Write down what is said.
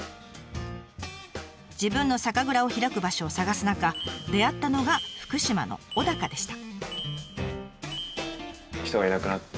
自分の酒蔵を開く場所を探す中出会ったのが福島の小高でした。